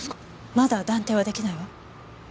まだ断定は出来ないわ。